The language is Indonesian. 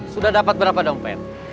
sudah dapat berapa dompet